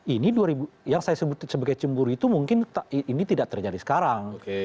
ini yang saya sebut sebagai cemburu itu mungkin ini tidak terjadi sekarang